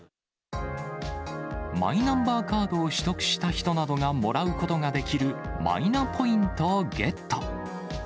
マイナンバーカードを取得した人などがもらうことができる、マイナポイントをゲット。